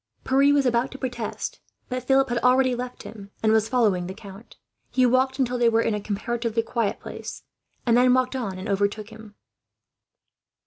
Pierre was about to protest, but Philip had already left him, and was following the count. He waited until they were in a comparatively quiet place, and then walked on and overtook him.